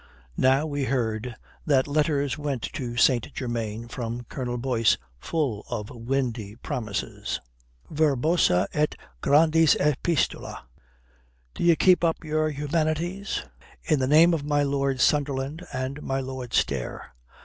Now we heard that letters went to St. Germain from Colonel Boyce full of windy promises verbosa et grandis epistola. D'ye keep up your humanities? in the name of my Lord Sunderland and my Lord Stair.